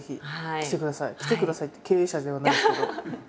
「来てください」って経営者ではないですけど。